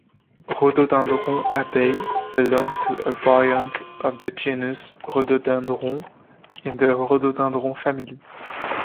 Rhododendron haibei belongs to a variant of the genus rhododendron in the rhododendron family.